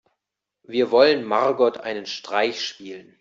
Wir wollen Margot einen Streich spielen.